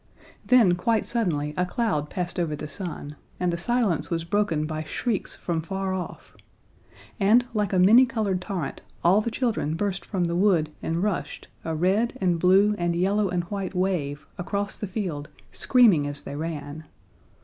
Then quite suddenly a cloud passed over the sun, and the silence was broken by shrieks from far off; and, like a many colored torrent, all the children burst from the wood and rushed, a red and blue and yellow and white wave, across the field, screaming as they ran.